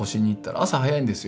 朝早いんですよ。